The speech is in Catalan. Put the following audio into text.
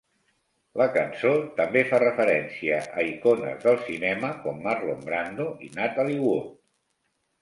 La cançó també fa referència a icones del cinema com Marlon Brando i Natalie Wood.